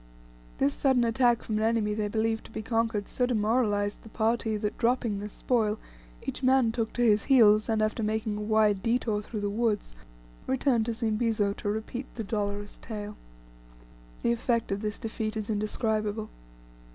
This sudden attack from an enemy they believed to be conquered so demoralized the party that, dropping their spoil, each man took to his heels, and after making a wide detour through the woods, returned to Zimbizo to repeat the dolorous tale. The effect of this defeat is indescribable.